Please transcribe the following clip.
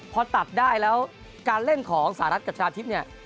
พอตัดได้แล้วการเล่นของสาระกับค๊าทิพย์